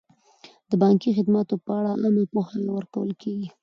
د بانکي خدماتو په اړه عامه پوهاوی ورکول کیږي.